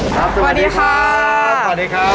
สวัสดีครับสวัสดีครับ